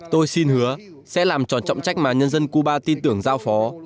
tôi xin hứa sẽ làm tròn trọng trách mà nhân dân cuba tin tưởng giao phó